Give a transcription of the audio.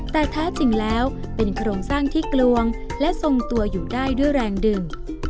แต่แท้จริงแล้วเป็นโครงสร้างที่กลวงและทรงตัวอยู่ได้ด้วยแรงดึง